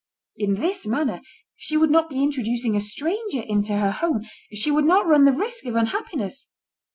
In this manner, she would not be introducing a stranger into her home, she would not run the risk of unhappiness.